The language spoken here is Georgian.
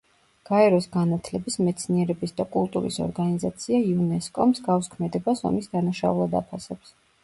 გაეროს განათლების, მეცნიერების და კულტურის ორგანიზაცია იუნესკო მსგავს ქმედებას ომის დანაშაულად აფასებს.